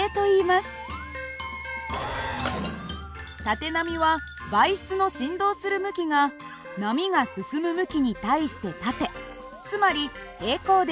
縦波は媒質の振動する向きが波が進む向きに対して縦つまり平行です。